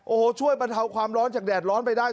โอ้โหช่วยบรรเทาความร้อนจากแดดร้อนไปได้